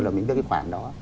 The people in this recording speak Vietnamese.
là mình đưa cái khoản đó